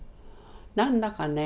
何だかね